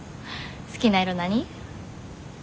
好きな色何？